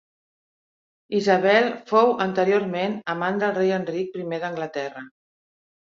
Isabel fou anteriorment amant del rei Enric primer d'Anglaterra.